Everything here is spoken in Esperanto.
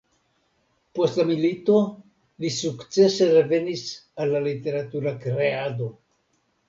Post la milito li sukcese revenis al la literatura kreado.